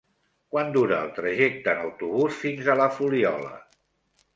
Quant dura el trajecte en autobús fins a la Fuliola?